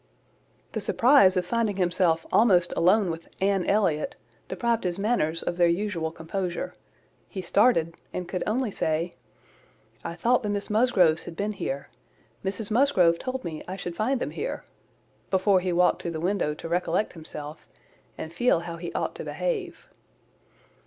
The surprise of finding himself almost alone with Anne Elliot, deprived his manners of their usual composure: he started, and could only say, "I thought the Miss Musgroves had been here: Mrs Musgrove told me I should find them here," before he walked to the window to recollect himself, and feel how he ought to behave.